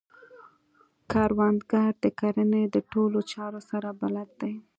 کروندګر د کرنې د ټولو چارو سره بلد دی